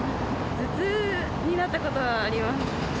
頭痛になったことはあります。